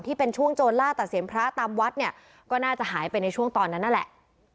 ที่เป็นช่วงโจรล่าตัดเสียงพระตามวัดเนี่ยก็น่าจะหายไปในช่วงตอนนั้นนั่นแหละ